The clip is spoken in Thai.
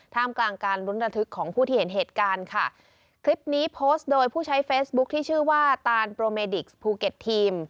มกลางการลุ้นระทึกของผู้ที่เห็นเหตุการณ์ค่ะคลิปนี้โพสต์โดยผู้ใช้เฟซบุ๊คที่ชื่อว่าตานโปรเมดิกซ์ภูเก็ตทีม